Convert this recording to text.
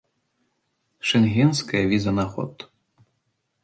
Шэнгенская віза на год.